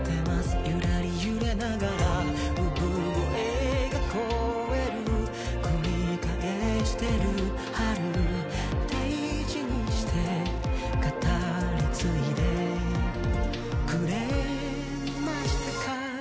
ゆらり揺れながら産声が聞こえる繰り返してる春大事にして語り継いでくれましたか？